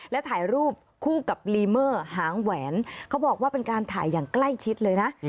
และถ่ายรูปคู่กับลีเมอร์หางแหวนเขาบอกว่าเป็นการถ่ายอย่างใกล้ชิดเลยนะ